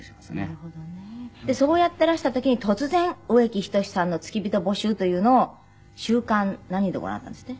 なるほどね。でそうやってらした時に突然植木等さんの付き人募集というのを『週刊』何でご覧になったんですって？